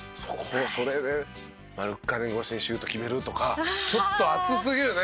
それでマルカネン越しにシュート決めるとかちょっと熱すぎるよね。